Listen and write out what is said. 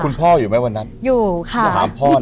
คุณพ่ออยู่ไหมวันนั้นอยู่ค่ะถามพ่อหน่อย